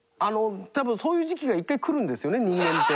多分そういう時期が１回くるんですよね人間って。